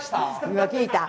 今聞いた。